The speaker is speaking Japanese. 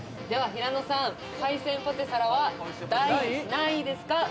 では平野さん、海鮮ポテサラは第何位ですか？